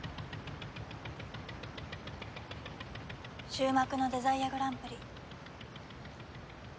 終幕のデザイアグランプリ。